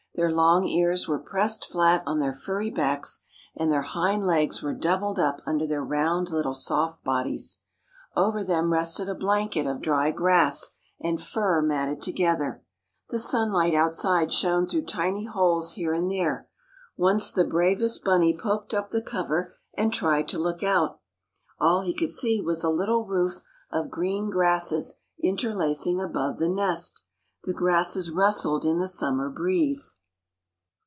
Their long ears were pressed flat on their furry backs, and their hind legs were doubled up under their round, little soft bodies. Over them rested a blanket of dry grass and fur matted together. The sunlight outside shone through tiny holes here and there. Once the bravest bunny poked up the cover and tried to look out. All he could see was a little roof of green grasses interlacing above the nest. The grasses rustled in the summer breeze.